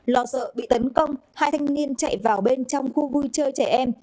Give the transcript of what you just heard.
lo sợ bị tấn công hai thanh niên chạy vào bên trong khu vui chơi trẻ em